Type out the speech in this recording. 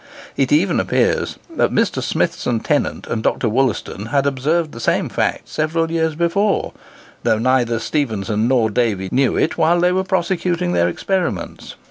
It even appears that Mr. Smithson Tennant and Dr. Wollaston had observed the same fact several years before, though neither Stephenson nor Davy knew it while they were prosecuting their experiments.